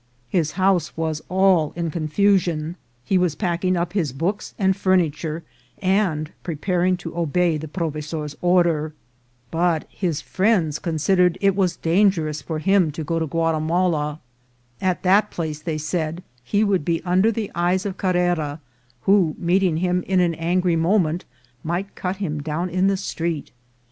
His house was all in confusion ; he was pack ing up his books and furniture, and preparing to obey the provesor's order. But his friends considered that VOL. II.— E E 19 218 INCIDENTS OF TRAVEL. it was dangerous for him to go to Guatimala. At that place, they said, he would be under the eyes of Carre ra, who, meeting him in an angry moment, might cut him down in the street.